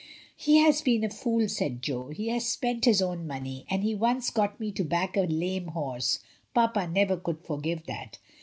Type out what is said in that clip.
"He has been a fool," said Jo. "He has spent his own money, and he once got me to back a lame horse — papa never could forgive that.